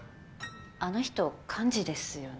あの人幹事ですよね。